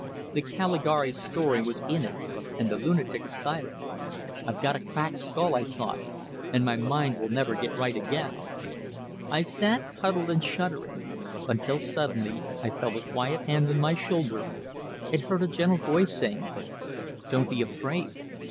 The Caligari story was in it, and the lunatic asylum; I've got a cracked skull, I thought, and my mind will never get right again! I sat, huddled and shuddering; until suddenly I felt a quiet hand on my shoulder, and heard a gentle voice saying: "Don't be afraid.